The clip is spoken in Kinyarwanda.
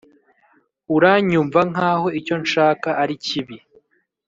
uranyumva nkaho icyo nshaka ari kibi.